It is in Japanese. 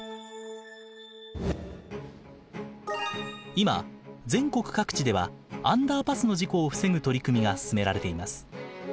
今全国各地ではアンダーパスの事故を防ぐ取り組みが進められています。